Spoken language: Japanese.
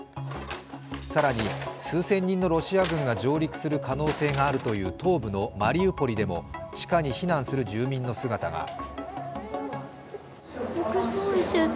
更に、数千人のロシア軍が上陸する可能性があるという東部のマリウポリで地下に避難する住民の姿が。